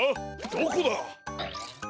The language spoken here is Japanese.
どこだ？